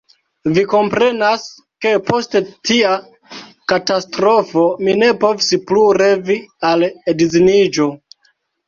Vi komprenas, ke post tia katastrofo mi ne povis plu revi al edziniĝo.